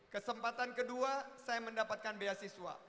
kesempatan kedua saya mendapatkan beasiswa